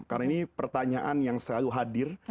karena ini pertanyaan yang selalu hadir